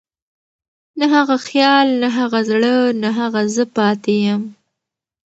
نه هغه خيال، نه هغه زړه، نه هغه زه پاتې يم